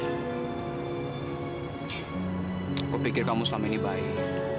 aku pikir kamu selama ini baik